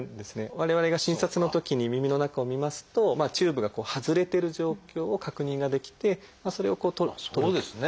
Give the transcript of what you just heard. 我々が診察のときに耳の中を診ますとチューブが外れてる状況を確認ができてそれをこう取るという。